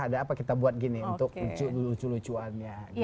ada apa kita buat gini untuk lucu lucuannya